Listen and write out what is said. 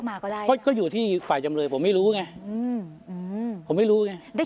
ผมพูดตั้งแต่แรกก็จำเทปที่ผมได้